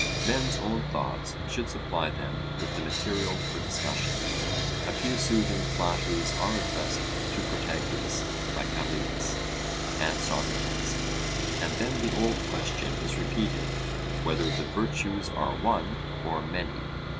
Men's own thoughts should supply them with the materials for discussion. A few soothing flatteries are addressed to Protagoras by Callias and Socrates, and then the old question is repeated, 'Whether the virtues are one or many?'